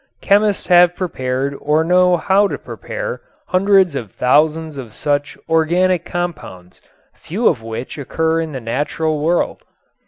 Chemists have prepared or know how to prepare hundreds of thousands of such "organic compounds," few of which occur in the natural world.